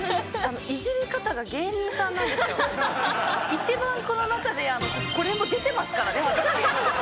一番この中でこれも出てますからね、私。